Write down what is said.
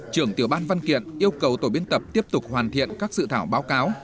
trưởng tiểu ban văn kiện yêu cầu tổ biên tập tiếp tục hoàn thiện các dự thảo báo cáo